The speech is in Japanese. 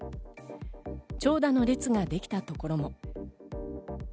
長蛇の列ができたところも。